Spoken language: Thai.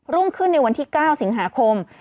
รุ่งขึ้นในวันที่๙สิงหาคม